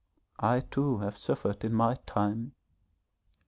I too have suffered in my time.